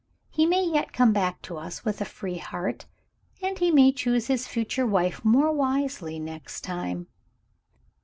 He may yet come back to us with a free heart, and he may choose his future wife more wisely next time."